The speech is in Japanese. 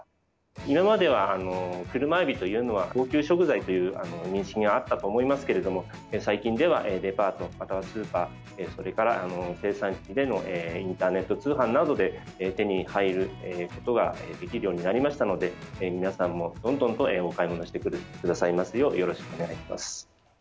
今までは、クルマエビは高級食材という認識があったと思いますけれども最近ではデパートまたはスーパーそれから生産地でのインターネット通販などで手に入ることができるようになりましたので皆さんも、どんどんとお買い物してくださいますようよろしくお願いします。